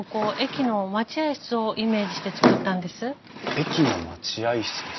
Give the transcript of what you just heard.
駅の待合室ですか。